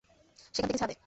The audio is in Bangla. সেখান থেকে ছাদে।